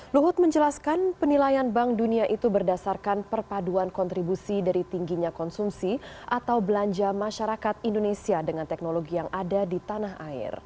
luhut menjelaskan penilaian bank dunia itu berdasarkan perpaduan kontribusi dari tingginya konsumsi atau belanja masyarakat indonesia dengan teknologi yang ada di tanah air